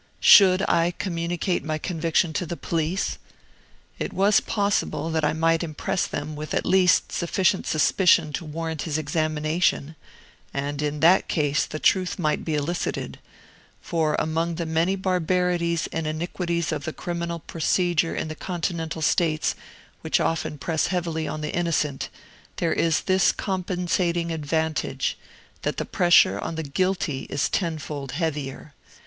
Should I communicate my conviction to the police? It was possible that I might impress them with at least sufficient suspicion to warrant his examination and in that case the truth might be elicited; for among the many barbarities and iniquities of the criminal procedure in Continental States which often press heavily on the innocent, there is this compensating advantage, that the pressure on the guilty is tenfold heavier.